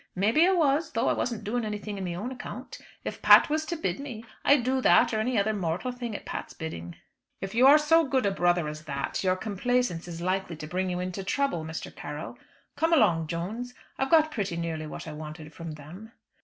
Maybe I was, though I wasn't doing anything on me own account. If Pat was to bid me, I'd do that or any other mortal thing at Pat's bidding." "If you are so good a brother as that, your complaisance is likely to bring you into trouble, Mr. Carroll. Come along, Jones, I've got pretty nearly what I wanted from them."